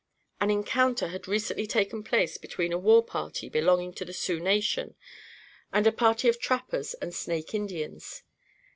An encounter had recently taken place between a war party belonging to the Sioux nation and a party of trappers and Snake Indians.